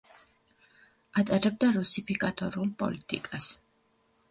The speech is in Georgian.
ატარებდა რუსიფიკატორულ პოლიტიკას.